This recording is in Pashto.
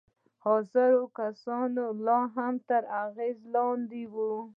حاضر کسان يې لا هم تر اغېز لاندې وو.